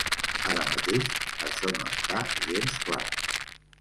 Ara mateix això no està gens clar.